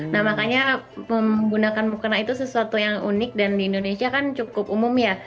nah makanya menggunakan mukena itu sesuatu yang unik dan di indonesia kan cukup umum ya